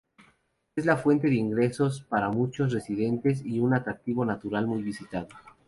Es la fuente de ingresos para muchos residentes y un atractivo natural muy visitado.